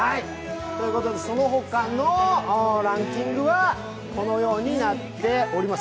その他のランキングはこのようになっております。